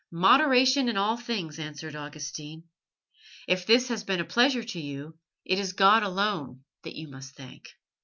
"Moderation in all things," answered Augustine. "If this has been a pleasure to you, it is God alone that you must thank."